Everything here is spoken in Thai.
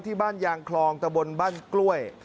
ที่บ้านยางคลองตะบนบ้านกล้วย